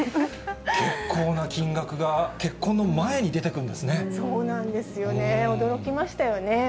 結構な金額が、そうなんですよね、驚きましたよね。